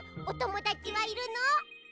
おともだちはいるの？